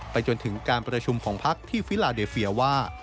จนถึงการประชุมของพักที่ฟิลาเดเฟียว่า